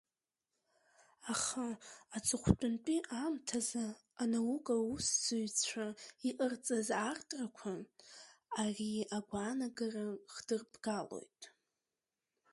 Аха аҵыхәтәантәи аамҭазы анаука аусзуҩцәа иҟарҵаз аартрақәа, ари агәаанагара хдырбгалоит.